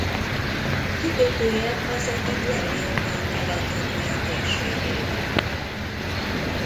Kikötője az egyik legjobb a Kelet-Adria térségében.